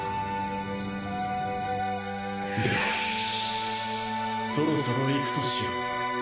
ではそろそろ行くとしよう。